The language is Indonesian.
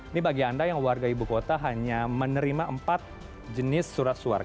ini bagi anda yang warga ibu kota hanya menerima empat jenis surat suara